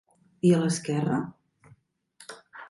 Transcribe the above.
I a l'esquerra?